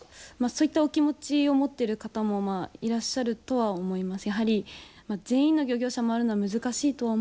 そういったお気持ちを持っている方もいらっしゃるとは思います。